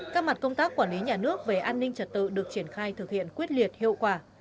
các mặt công tác quản lý nhà nước về an ninh trật tự được triển khai thực hiện quyết liệt hiệu quả